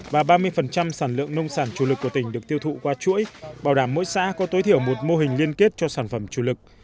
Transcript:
và ba mươi sản lượng nông sản chủ lực của tỉnh được tiêu thụ qua chuỗi bảo đảm mỗi xã có tối thiểu một mô hình liên kết cho sản phẩm chủ lực